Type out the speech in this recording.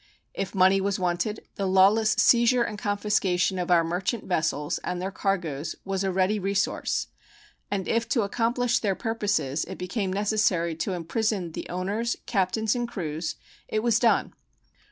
If money was wanted, the lawless seizure and confiscation of our merchant vessels and their cargoes was a ready resource, and if to accomplish their purposes it became necessary to imprison the owners, captains, and crews, it was done.